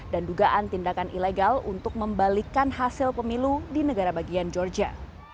dan dugaan tindakan ilegal untuk membalikkan hasil pemilu di negara bagian georgia